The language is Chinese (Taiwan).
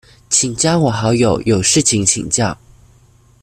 請加我好友，有事情請教